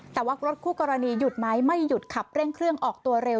แต่ว่ารถคู่กรณีหยุดไหมไม่หยุดขับเร่งเครื่องออกตัวเร็ว